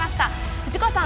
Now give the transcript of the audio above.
藤川さん